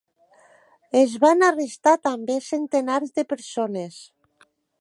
Es van arrestar també centenars de persones.